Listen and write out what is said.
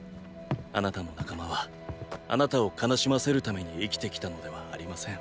あなたの仲間はあなたを悲しませるために生きてきたのではありません。